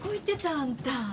あんた。